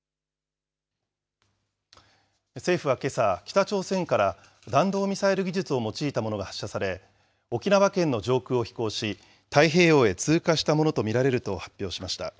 政府はけさ、北朝鮮から弾道ミサイル技術を用いたものが発射され、沖縄県の上空を飛行し、太平洋へ通過したものと見られると発表しました。